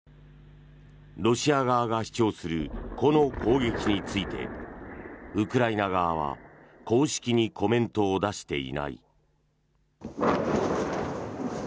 ロシア側が主張するこの攻撃についてウクライナ側は公式にコメントを出していない。